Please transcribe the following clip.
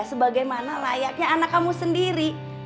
sebagaimana layaknya anak kamu sendiri